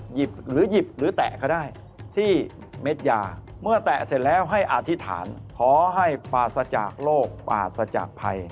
หยิบหรือหยิบหรือแตะก็ได้ที่เม็ดยาเมื่อแตะเสร็จแล้วให้อธิษฐานขอให้ปราศจากโลกปราศจากภัย